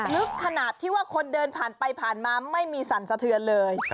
ลึกขนาดที่ว่าคนเดินผ่านไปผ่านมาไม่มีสั่นสะเทือนเลย